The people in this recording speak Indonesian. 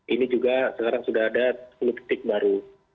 ini juga sekarang sudah ada sepuluh titik baru